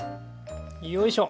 よいしょ。